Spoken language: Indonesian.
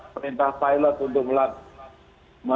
penintas pilot untuk melakukan